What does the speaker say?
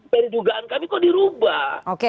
perjugaan kami kok di rubah